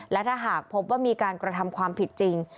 และถ้าหากพบว่ามีการกระทำความผิดจริง